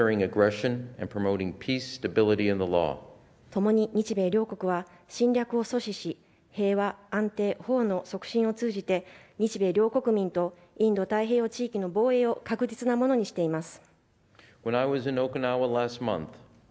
ともに日米両国は侵略を阻止し平和・安定・保護のための促進を通じて日米両国民とインド太平洋地域の防衛を確実なものにしています。